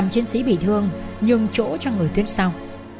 năm chiến sĩ bị thương nhường chỗ cho người tuyến sau